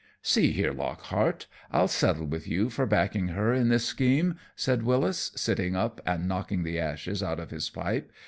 "See here, Lockhart, I'll settle with you for backing her in this scheme," said Wyllis, sitting up and knocking the ashes out of his pipe.